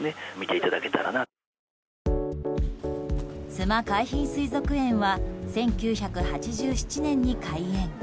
須磨海浜水族園は１９８７年に開園。